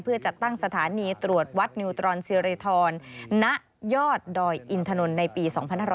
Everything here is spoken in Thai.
เพื่อจัดตั้งสถานีตรวจวัดนิวตรอนสิริธรณยอดดอยอินถนนในปี๒๕๖๐